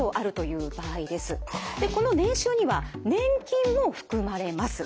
この年収には年金も含まれます。